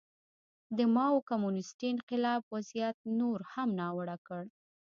د ماوو کمونېستي انقلاب وضعیت نور هم ناوړه کړ.